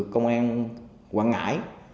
công an quảng ngãi